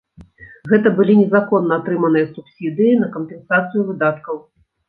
Гэта былі незаконна атрыманыя субсідыі на кампенсацыю выдаткаў.